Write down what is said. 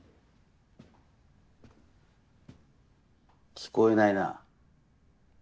聞こえないな。